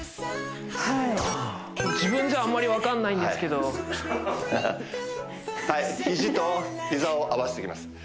はい自分じゃあまり分かんないんですけどはい肘と膝を合わせていきます